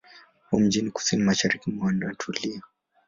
Upo mjini kusini-mashariki mwa Anatolia.